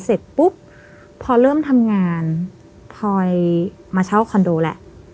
เสร็จปุ๊บพอเริ่มทำงานพลอยมาเช่าคอนโดแหละ